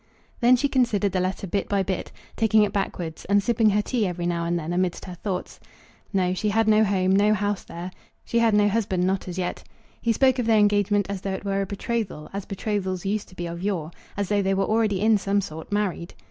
Then she considered the letter bit by bit, taking it backwards, and sipping her tea every now and then amidst her thoughts. No; she had no home, no house, there. She had no husband; not as yet. He spoke of their engagement as though it were a betrothal, as betrothals used to be of yore; as though they were already in some sort married.